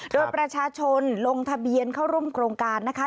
โดยประชาชนลงทะเบียนเข้าร่วมโครงการนะคะ